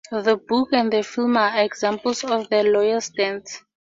The book and the film are examples of the lawyers' dance.